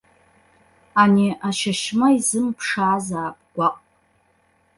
Ани ашьашьма изымԥшаазаап, гәаҟ.